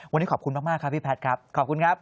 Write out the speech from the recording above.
วันนี้ขอบคุณมากครับพี่แพทย์ครับขอบคุณครับ